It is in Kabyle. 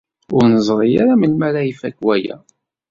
Ur neẓri ara melmi ara ifak waya.